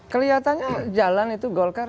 keliatannya jalan itu golkar